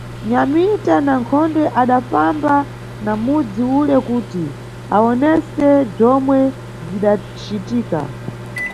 Nyamita na Nkhonde adafamba na mudzi ule kuti awonesese bzomwe bzidacitika.